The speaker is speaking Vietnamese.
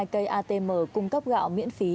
hai cây atm cung cấp gạo miễn phí